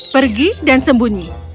pergi dan sembunyi